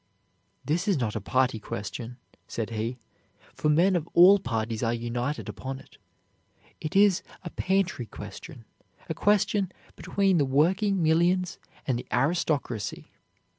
"This is not a party question," said he, "for men of all parties are united upon it. It is a pantry question, a question between the working millions and the aristocracy."